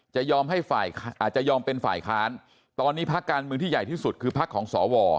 ยอมให้ฝ่ายอาจจะยอมเป็นฝ่ายค้านตอนนี้พักการเมืองที่ใหญ่ที่สุดคือพักของสว